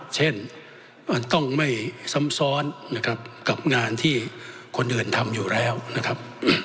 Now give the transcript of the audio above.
เช่นมันต้องไม่ซ้ำซ้อนนะครับกับงานที่คนอื่นทำอยู่แล้วนะครับ